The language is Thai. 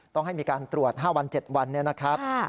ต้องให้มีการตรวจ๕วัน๗วันเนี่ยนะครับ